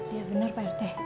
iya benar pak rt